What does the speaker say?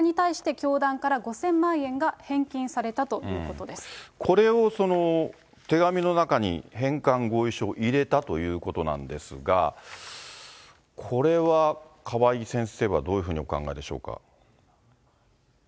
その後、母親に対して教団から５０００万円が返金されたというここれを手紙の中に返還合意書を入れたということなんですが、これは川井先生はどういうふうにお考えでしょうか。